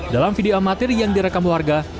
dalam video amatir yang direkam warga